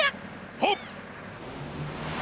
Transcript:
はっ！